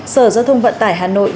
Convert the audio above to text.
sở giao thông vận tải hà nội